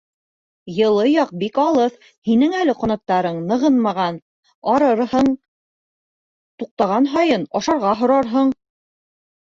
Йылы яҡ бик алыҫ. һинең әле ҡанаттарың нығынмаған, арырһың, туҡтаған һайын ашарға һорарһың.